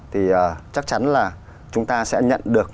thì chắc chắn là chúng ta sẽ nhận được